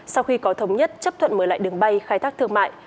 sau khi có thống nhất chấp thuận mở lại đường bay khai thác thương mại